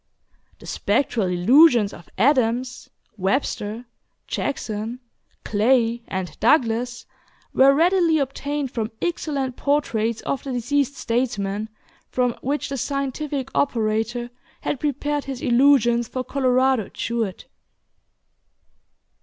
The spectral illusions of Adams, Webster, Jackson, Clay, and Douglas were readily obtained from excellent portraits of the deceased statesmen, from which the scientific operator had prepared his illusions for Colorado Jewett.